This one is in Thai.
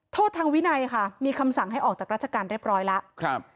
โทษทางวินัยค่ะมีคำสั่งให้ออกจากราชการเรียบร้อยแล้วครับ